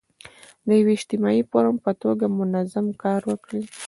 د یو اجتماعي فورم په توګه منظم کار وکړي.